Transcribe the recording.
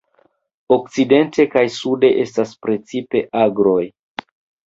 Okcidente kaj sude estas precipe agroj.